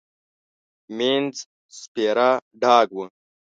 مينځ سپيره ډاګ و.